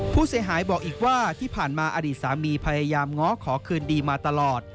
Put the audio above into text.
ผู้เสียหายบอกอีกว่าที่ผ่านมาอดีตสามีพยายามง้อขอคืนดีมาตลอด